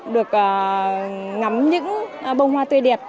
được ngắm những bông hoa tươi đẹp